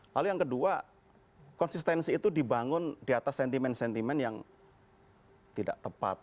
lalu yang kedua konsistensi itu dibangun di atas sentimen sentimen yang tidak tepat